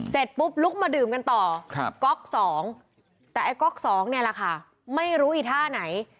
เสร็จปุ๊บลุกมาดื่มกันต่อก๊อก๒แต่ไอ้ก๊อกสองเนี่ยแหละค่ะไม่รู้อีท่าไหน